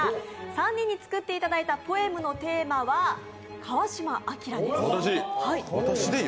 ３人に作っていただいたポエムのテーマは「川島明」です。